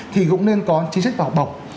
thì cũng nên có chính sách vào học bổng